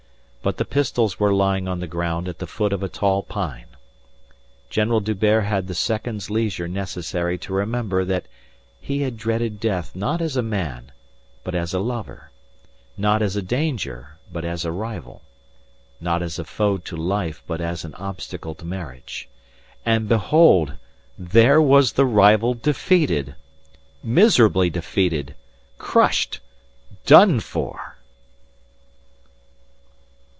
But the pistols were lying on the ground at the foot of a tall pine. General D'Hubert had the second's leisure necessary to remember that he had dreaded death not as a man but as a lover, not as a danger but as a rival not as a foe to life but as an obstacle to marriage. And, behold, there was the rival defeated! Miserably defeated crushed done for!